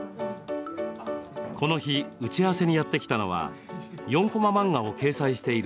この日打ち合わせにやって来たのは４コマ漫画を掲載している